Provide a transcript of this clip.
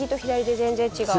全然違う。